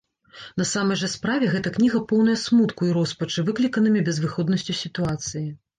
На самай жа справе гэта кніга поўная смутку і роспачы, выкліканымі безвыходнасцю сітуацыі.